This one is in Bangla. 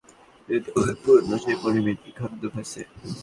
সন্তান বুকের দুধ ছেড়ে দিলেই ফিরে যেতে হবে পুরোনো সেই পরিমিত খাদ্যাভ্যাসে।